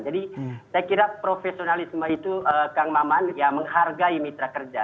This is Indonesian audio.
jadi saya kira profesionalisme itu kang maman ya menghargai mitra kerja